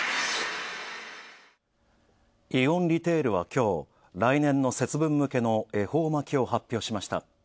イオンリテールはきょう、来年の節分向けの恵方巻きを発表しました。